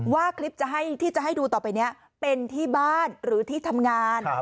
ว่าคลิปที่จะให้ดูต่อไปนี้เป็นที่บ้านหรือที่ทำงาน